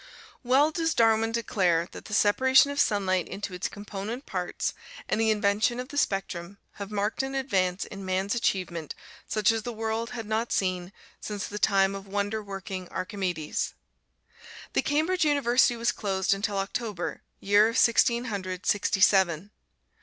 Well does Darwin declare that the separation of sunlight into its component parts, and the invention of the spectrum, have marked an advance in man's achievement such as the world had not seen since the time of wonder working Archimedes. The Cambridge University was closed until October, year of Sixteen Hundred Sixty seven.